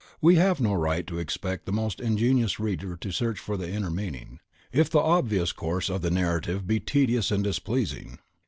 We have no right to expect the most ingenious reader to search for the inner meaning, if the obvious course of the narrative be tedious and displeasing.